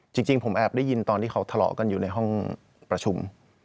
จริงผมแอบได้ยินตอนที่เขาทะเลาะกันอยู่ในห้องประชุม